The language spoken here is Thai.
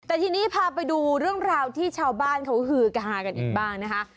แต่ทีนี้พาไปดูเรื่องราวที่ชาวบ้านเขาฮือฮากันอีกบ้างนะคะ